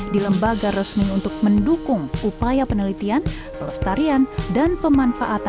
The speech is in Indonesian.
di lembaga resmi untuk mendukung upaya penelitian pelestarian dan pemanfaatan